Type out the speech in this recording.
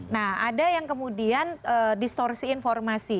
nah ada yang kemudian distorsi informasi